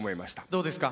どうですか？